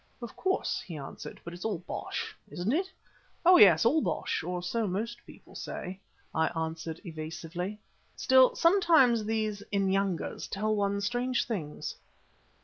"Of course," he answered, "but it's all bosh, isn't it?" "Oh, yes, all bosh, or so most people say," I answered evasively. "Still, sometimes these Inyangas tell one strange things."